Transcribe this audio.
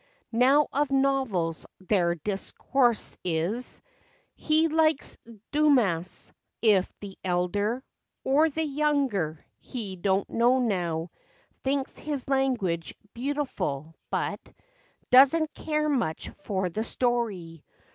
Now of novels their discourse is; He likes Doomass—if the elder, Or the younger, he don't know now— Thinks his language beautiful, but Does n't care much for the story.